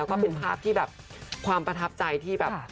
คือภาพที่แบบความประทับใจที่แบบ